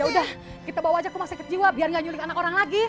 udah kita bawa aja ke rumah sakit jiwa biar gak nyuling anak orang lagi